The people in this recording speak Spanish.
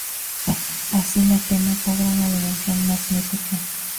Así la pena cobra una dimensión más mítica.